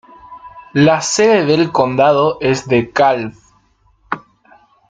La sede del condado es De Kalb.